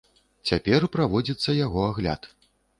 Цяпер праводзіцца яго агляд.